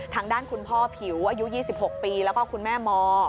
ทางด้านคุณพ่อผิวอายุ๒๖ปีแล้วก็คุณแม่ม